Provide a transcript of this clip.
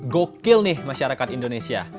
gokil nih masyarakat indonesia